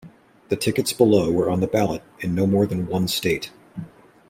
The tickets below were on the ballot in no more than one state.